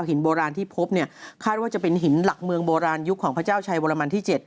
หินโบราณที่พบเนี่ยคาดว่าจะเป็นหินหลักเมืองโบราณยุคของพระเจ้าชัยวรมันที่๗